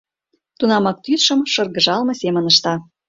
Тунамак тӱсшым шыргыжалме семын ышта.